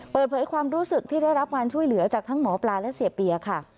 เปิดเผยความรู้สึกที่ได้รับการช่วยเหลือจากทั้งหมอปลาและเสียเปียค่ะ